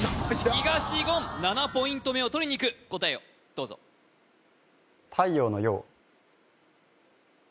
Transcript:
東言７ポイント目を取りにいく答えをどうぞ太陽の「陽」